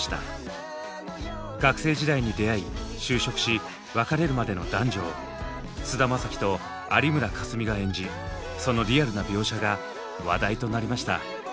学生時代に出会い就職し別れるまでの男女を菅田将暉と有村架純が演じそのリアルな描写が話題となりました。